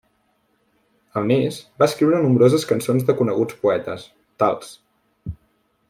A més, va escriure nombroses cançons de coneguts poetes, tals.